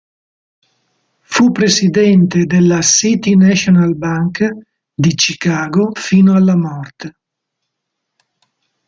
Fu presidente della City National Bank di Chicago fino alla morte.